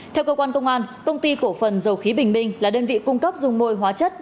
theo cơ quan công an công ty cổ phần dầu khí bình minh là đơn vị cung cấp dung môi hóa chất